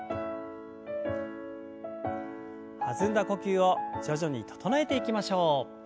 弾んだ呼吸を徐々に整えていきましょう。